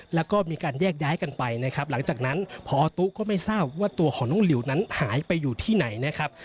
แล้วก็มีการแยกย้ายกันไปนะครับหลังจากนั้นพอตู้ก็ไม่ทราบว่าตัวของน้องหลิวนั้นหายไปอยู่ที่ไหนนะครับ